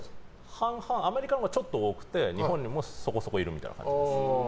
アメリカのほうがちょっと多くて日本にもそこそこいるみたいな。